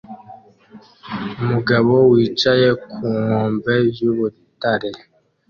Umugabo wicaye ku nkombe y'urutare